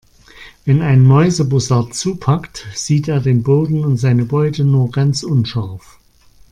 Wenn ein Mäusebussard zupackt, sieht er den Boden und seine Beute nur ganz unscharf.